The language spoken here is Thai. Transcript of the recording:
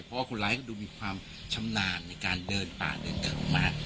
เพราะว่าคนร้ายก็ดูมีความชำนาญในการเดินป่าเดินเข้ามา